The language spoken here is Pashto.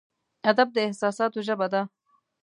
ادب د احساساتو ژبه ده.